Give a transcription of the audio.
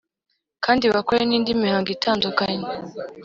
kandi bakore n’indi mihango itandukanye